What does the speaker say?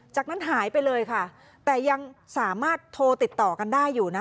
จากนั้นหายไปเลยค่ะแต่ยังสามารถโทรติดต่อกันได้อยู่นะ